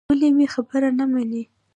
ولې مې خبره نه منې.